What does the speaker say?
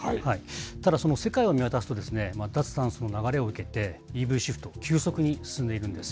ただ、世界を見渡すと、脱炭素の流れを受けて、ＥＶシフト、急速に進んでいるんです。